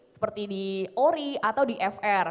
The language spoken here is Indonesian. seperti di ori atau di fr